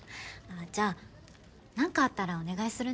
じゃあなんかあったらお願いするね。